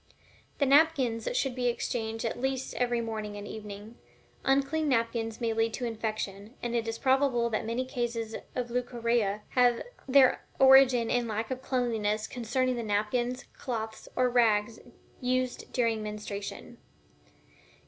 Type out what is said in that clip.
The napkins should be changed at least every morning and evening. Unclean napkins may lead to infection, and it is probable that many cases of leucorrhea have their origin in lack of cleanliness concerning the napkins, cloths, or rags, used during menstruation.